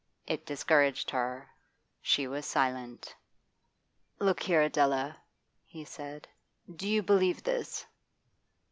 It discouraged her; she was silent. 'Look here, Adela,' he said, 'do you believe this?